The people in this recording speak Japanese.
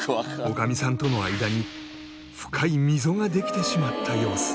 女将さんとの間に深い溝ができてしまった様子。